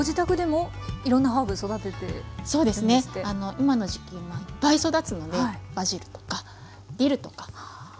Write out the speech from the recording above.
今の時期いっぱい育つのでバジルとかディルとかはい。